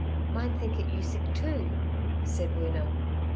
'Mine think it you sick, too' said Woona.